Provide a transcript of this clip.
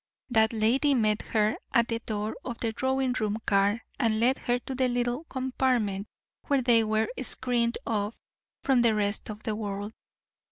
That lady met her at the door of the drawing room car, and led her to the little compartment where they were screened off from the rest of the world.